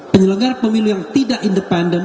penyelenggara pemilu yang tidak independen